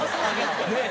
ねえ。